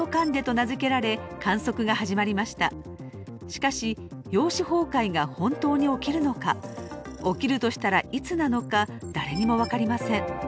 しかし陽子崩壊が本当に起きるのか起きるとしたらいつなのか誰にも分かりません。